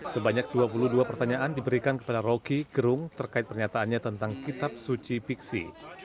sebanyak dua puluh dua pertanyaan diberikan kepada rocky gerung terkait pernyataannya tentang kitab suci fiksi